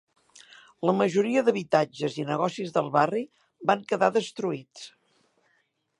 La majoria d'habitatges i negocis del barri van quedar destruïts.